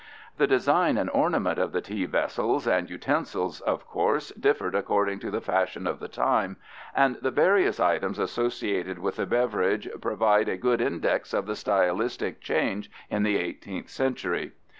The design and ornament of the tea vessels and utensils, of course, differed according to the fashion of the time, and the various items associated with the beverage provide a good index of the stylistic changes in the 18th century.